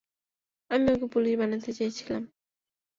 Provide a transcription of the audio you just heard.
আমি ওকে পুলিশ বানাতে চেয়েছিলাম।